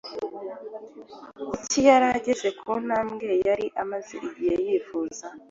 kuko yari ageze ku ntambwe yari amaze igihe yifuza